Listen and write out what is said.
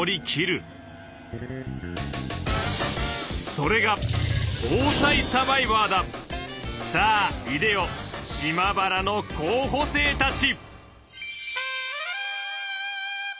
それがさあいでよ島原の候補生たち！